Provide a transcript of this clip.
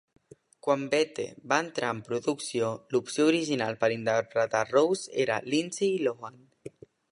Quan "Bette" va entrar en producció, l'opció original per interpretar Rose era Lindsay Lohan.